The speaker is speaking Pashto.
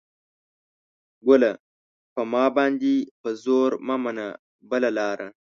ګله ! په ما باندې په زور مه منه بله لاره